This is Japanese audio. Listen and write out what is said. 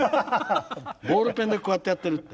ボールペンでこうやってやってるって。